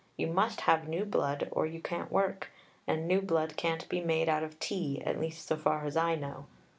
You must have new blood, or you can't work, and new blood can't be made out of tea, at least so far as I know.